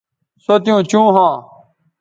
سو تیوں چوں ھواں